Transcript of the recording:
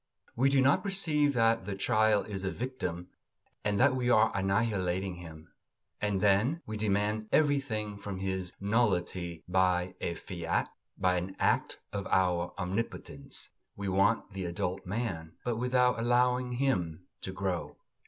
We do not perceive that the child is a victim and that we are annihilating him; and then we demand everything from his nullity by a fiat, by an act of our omnipotence. We want the adult man, but without allowing him to grow.